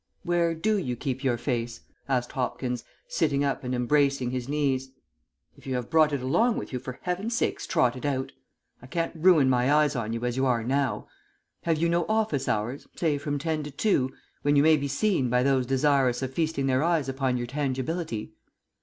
"Where do you keep your face?" asked Hopkins, sitting up and embracing his knees. "If you have brought it along with you for heaven's sake trot it out. I can't ruin my eyes on you as you are now. Have you no office hours, say from ten to two, when you may be seen by those desirous of feasting their eyes upon your tangibility?"